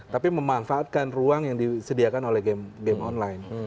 tapi memanfaatkan ruang yang disediakan oleh game online